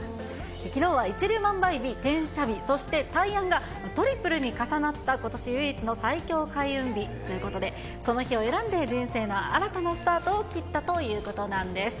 きのうは一粒万倍日、天赦日、そして大安がトリプルに重なった、ことし唯一の最強開運日ということで、その日を選んで人生の新たなスタートを切ったということなんです。